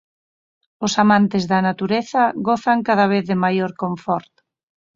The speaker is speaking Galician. Os amantes da natureza gozan cada vez de maior confort.